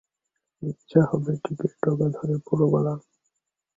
ইচ্ছা হবে টিকির ডগা ধরে পুরবালা।